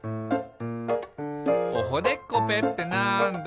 「おほでっこぺってなんだ？」